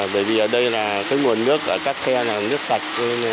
bởi vì ở đây là cái nguồn nước ở các xe là nước sạch